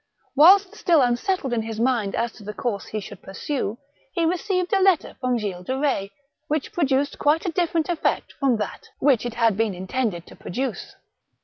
Whilst still unsettled in his mind as to the course he should pursue, he received a letter from Gilles de Ketz, which produced quite a diflferent effect from that which it had been intended to produce.